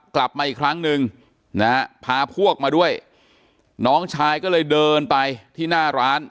กลับมาอีกครั้งหนึ่งนะฮะพาพวกมาด้วยน้องชายก็เลยเดินไปที่หน้าร้าน